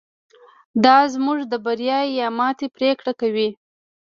دا زموږ د بریا یا ماتې پرېکړه کوي.